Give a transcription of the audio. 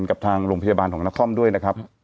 กับทางโรงพยาบาลของนครด้วยนะครับ